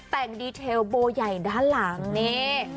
แต่งดีเทลโบใหญ่ด้านหลังนี่